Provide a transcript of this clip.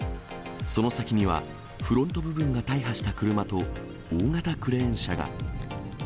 その先には、フロント部分が大破した車と、大型クレーン車が。